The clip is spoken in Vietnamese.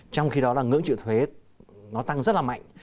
trong khi đó là ngưỡng trự thuế nó tăng rất là mạnh